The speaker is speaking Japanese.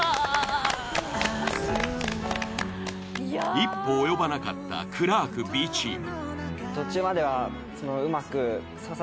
一歩及ばなかったクラークＢチーム。